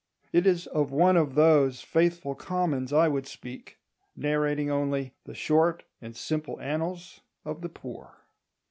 It is of one of those faithful commons I would speak, narrating only "the short and simple annals of the poor."